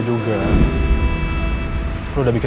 nggak mau ngerti